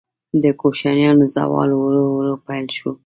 د کوشانیانو زوال ورو ورو پیل شو